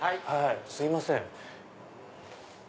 すいません。